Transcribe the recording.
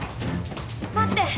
待って！